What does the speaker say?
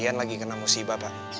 ian lagi kena musibah bang